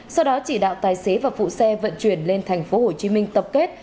sau đó chỉ đạo tài xế và phụ xe vận chuyển lên tp hcm tập kết